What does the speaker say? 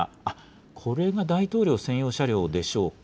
これが大統領専用車両でしょうか。